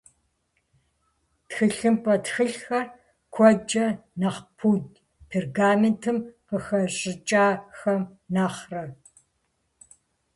Тхылъымпӏэ тхылъхэр куэдкӏэ нэхъ пудт пергаментым къыхэщӏыкӏахэм нэхърэ.